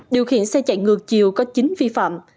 điều khiển xe chạy ngược chiều có chín vi phạm